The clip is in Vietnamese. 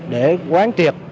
để quán triệt